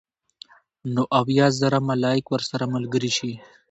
نو اويا زره ملائک ورسره ملګري شي